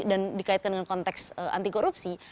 dan dikaitkan dengan konteks anti korupsi